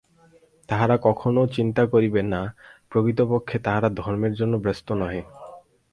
তাহারা কখনও চিন্তা করিবে না, প্রকৃতপক্ষে তাহারা ধর্মের জন্য ব্যস্ত নহে।